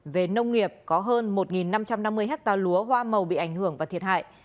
về nông nghiệp có hơn một năm trăm năm mươi hectare lúa hoa màu bị ảnh hưởng và thiệt hại